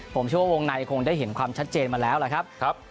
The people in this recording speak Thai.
ผมเชื่อว่าวงในคงได้เห็นความชัดเจนมาแล้วล่ะครับ